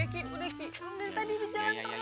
udah ki udah tadi udah jatuh